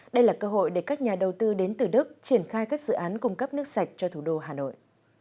đây là cơ hội để các nhà đầu tư đến từ đức triển khai các dự án cung cấp nước sạch cho thủ đô hà nội